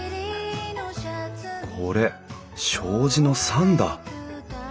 これ障子の桟だ。